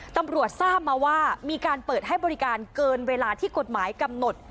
ตำรวจทราบมาว่ามีการเปิดให้บริการเกินเวลาที่กฎหมายกำหนด